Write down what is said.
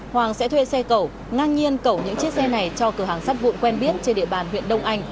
hoàng sẽ thuê xe cầu ngang nhiên cẩu những chiếc xe này cho cửa hàng sắt vụn quen biết trên địa bàn huyện đông anh